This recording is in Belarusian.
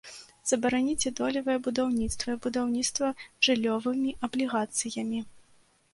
Забараніце долевае будаўніцтва і будаўніцтва жыллёвымі аблігацыямі.